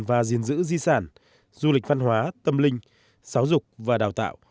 và gìn giữ di sản du lịch văn hóa tâm linh giáo dục và đào tạo